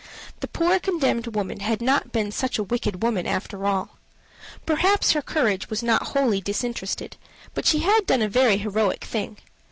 The poor condemned woman had not been such a wicked woman after all. Perhaps her courage was not wholly disinterested, but she had done a very heroic thing.